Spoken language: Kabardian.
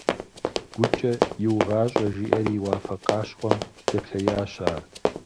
ГукӀэ «иугъащӀэ» жиӀэри уафэ къащхъуэм дэплъеящ ар.